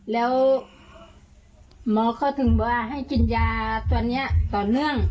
แล้วหมอเขาถึงว่าให้กินยาตัวนี้ต่อเนื่อง